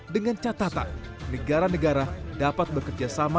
dengan catatan negara negara dapat bekerjasama